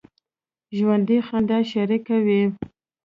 ژوندي خندا شریکه وي